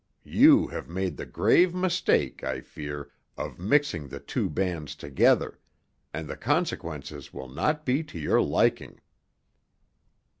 You have made the grave mistake, I fear, of mixing the two bands together—and the consequences will not be to your liking."